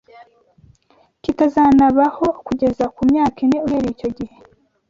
kitazanabaho kugeza ku myaka ine uhereye icyo gihe